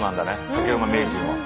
竹馬名人は。